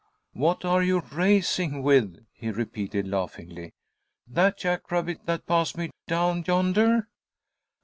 "What are you racing with?" he repeated, laughingly. "That jack rabbit that passed me down yonder?"